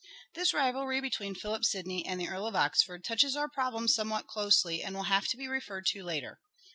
This rivalry between Philip Sidney and the Earl of Oxford touches our problem somewhat closely and will have to be referred to later.